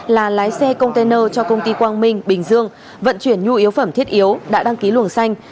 là lái xe container cho công ty quang minh bình dương vận chuyển nhu yếu phẩm thiết yếu đã đăng ký luồng xanh